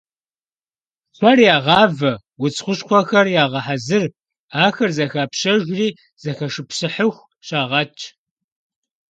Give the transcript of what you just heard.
Шэр ягъавэ, удз хущхъуэхэр ягъэхьэзыр, ахэр зэхапщэжри зэхэшыпсыхьыху щагъэтщ.